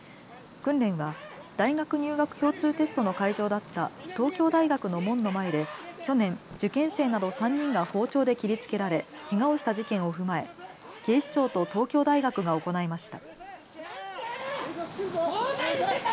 訓練は大学入学共通テストの会場だった東京大学の門の前で去年、受験生など３人が包丁で切りつけられ、けがをした事件を踏まえ警視庁と東京大学が行いました。